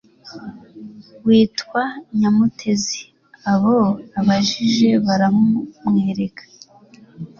witwa nyamutezi abo abajije baramumwereka